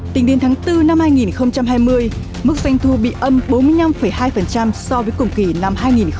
tính đến tháng bốn năm hai nghìn hai mươi mức doanh thu bị âm bốn mươi năm hai so với cùng kỳ năm hai nghìn một mươi chín